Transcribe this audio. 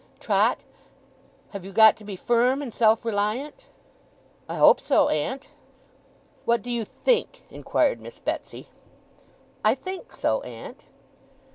Trot, have you got to be firm and self reliant?' 'I hope so, aunt.' 'What do you think?' inquired Miss Betsey. 'I think so, aunt.